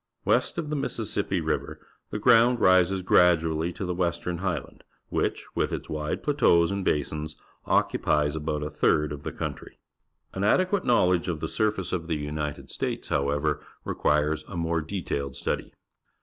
West of the Mississippi Riv er the ground rises gradually to the West ern Highland, which, with its wide plateaus and basins, occu pies about a third of the country. An Washington adequate know ledge of the surface of the United States, however, requires a more detailed study.